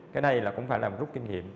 cái này cũng phải là một rút kinh nghiệm